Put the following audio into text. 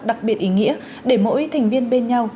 đặc biệt ý nghĩa để mỗi thành viên bên nhau